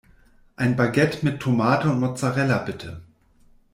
Ein Baguette mit Tomate und Mozzarella, bitte!